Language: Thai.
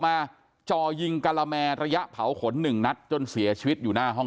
จ่อยิงกะละแมระยะเผาขนหนึ่งนัดจนเสียชีวิตอยู่หน้าห้อง